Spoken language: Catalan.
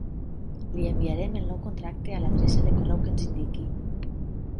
Li enviarem el nou contracte a l'adreça de correu que ens indiqui.